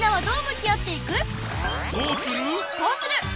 どうする？